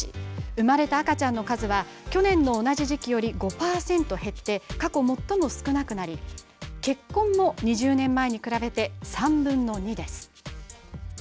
生まれた赤ちゃんの数は去年の同じ時期より５％減って過去、最も少なくなり結婚も２０年前に比べて３分の２です。